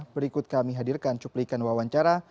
berikut kami hadirkan cuplikan wawancara